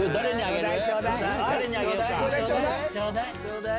ちょうだい！